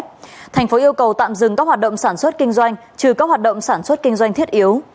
tp tuy hòa yêu cầu tạm dừng các hoạt động sản xuất kinh doanh trừ các hoạt động sản xuất kinh doanh thiết yếu